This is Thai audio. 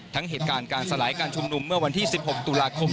เหตุการณ์การสลายการชุมนุมเมื่อวันที่๑๖ตุลาคม